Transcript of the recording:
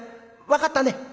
分かったね？」。